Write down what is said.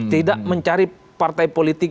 tidak mencari partai politik